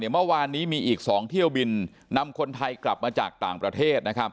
เมื่อวานนี้มีอีก๒เที่ยวบินนำคนไทยกลับมาจากต่างประเทศ